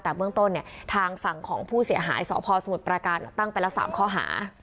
แต่เบื้องต้นเนี่ยทางฝั่งของผู้เสียหายสพสมุทรประการตั้งไปละ๓ข้อหา